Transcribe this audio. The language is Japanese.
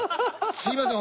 すいません。